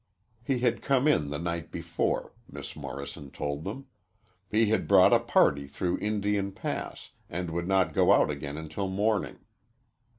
He had come in the night before, Miss Morrison told them. He had brought a party through Indian Pass and would not go out again until morning.